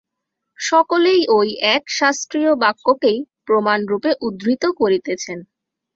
সকলেই ঐ এক শাস্ত্রীয় বাক্যকেই প্রমাণরূপে উদ্ধৃত করিতেছেন।